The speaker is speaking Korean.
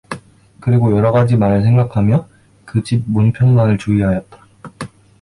그리고 여러 가지 말을 생각 하며 그 집 문 편만을 주의하였다.